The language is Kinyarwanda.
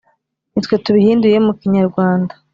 ni twe tubihinduye mu kinyarwanda